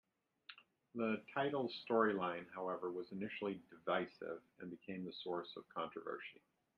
The title's storyline, however, was initially divisive and became the source of controversy.